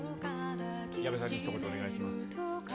矢部さんにひと言お願いしま